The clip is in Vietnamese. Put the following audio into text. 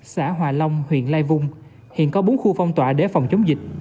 xã hòa long huyện lai vung hiện có bốn khu phong tỏa để phòng chống dịch